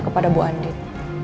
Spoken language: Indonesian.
kepada ibu andin